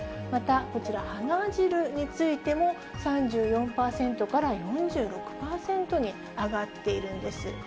また、こちら、鼻汁についても、３４％から４６％に上がっているんです。